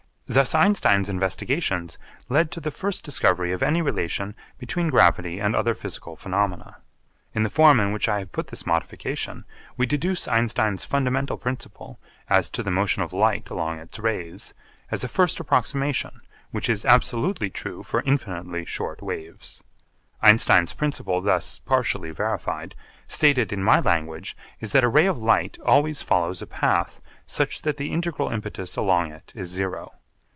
Thus Einstein's investigations lead to the first discovery of any relation between gravity and other physical phenomena. In the form in which I have put this modification, we deduce Einstein's fundamental principle, as to the motion of light along its rays, as a first approximation which is absolutely true for infinitely short waves. Einstein's principle, thus partially verified, stated in my language is that a ray of light always follows a path such that the integral impetus along it is zero.